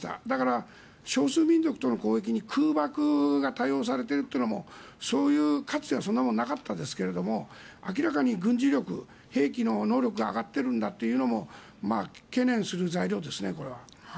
だから、少数民族の攻撃に空爆が多用されているというのもかつてはそういうものはなかったですが明らかに軍事力、兵器の能力が上がっているんだというのも懸念する材料ですね。